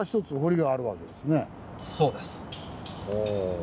そうです。